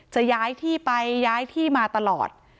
จะย้ายที่ไปย้ายที่มาตลอด